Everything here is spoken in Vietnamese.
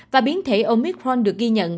và biến thể omicron được ghi nhận